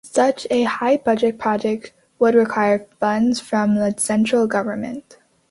Such a high-budget project would require funds from the Central Government.